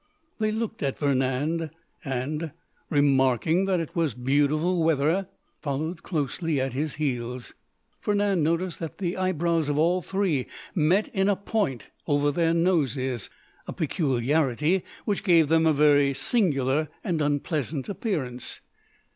They looked at Vernand, and, remarking that it was beautiful weather, followed closely at his heels. Vernand noticed that the eyebrows of all three met in a point over their noses, a peculiarity which gave them a very singular and unpleasant appearance.